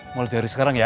mulai dari sekarang ya